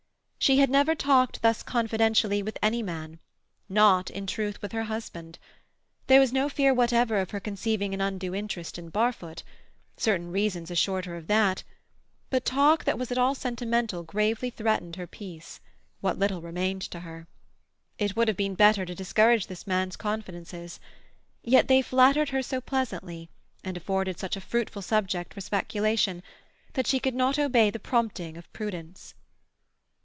She had never talked thus confidentially with any man; not, in truth, with her husband. There was no fear whatever of her conceiving an undue interest in Barfoot; certain reasons assured her of that; but talk that was at all sentimental gravely threatened her peace—what little remained to her. It would have been better to discourage this man's confidences; yet they flattered her so pleasantly, and afforded such a fruitful subject for speculation, that she could not obey the prompting of prudence.